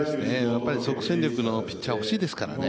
即戦力のピッチャー、欲しいですからね